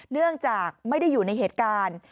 เนื่องจากไม่ได้อยู่ในเหตุการณ์